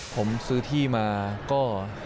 ผมซื้อที่มาก็